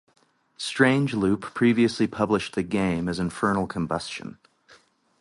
Strange Loop previously published the game as Infernal Combustion.